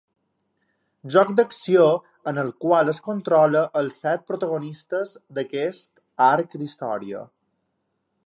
Joc d'Acció en el qual es controla als set protagonistes d'aquest arc d'història.